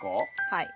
はい。